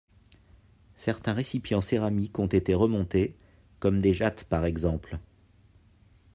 Certains récipients céramiques ont été remontés, comme des jattes par exemple.